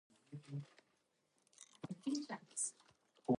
Frank soon discovers that Jenny, whom Tae-jun had rescued, is his biological sister.